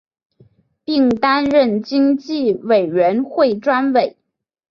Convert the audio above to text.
并担任经济委员会专委。